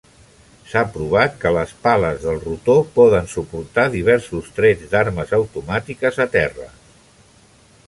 S'ha provat que les pales del rotor poden suportar diversos trets d'armes automàtiques a terra.